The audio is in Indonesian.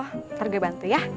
ntar gue bantu ya